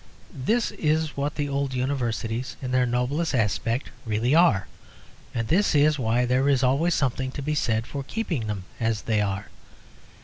This is what the old Universities in their noblest aspect really are; and this is why there is always something to be said for keeping them as they are.